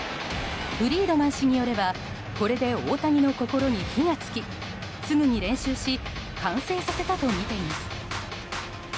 フリードマン氏によればこれで大谷の心に火が付きすぐに練習し完成させたとみています。